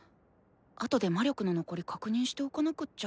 後で魔力の残り確認しておかなくっちゃ。